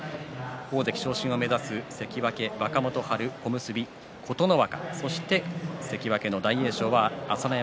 大関昇進を目指す関脇若元春小結琴ノ若、そして関脇の大栄翔は朝乃山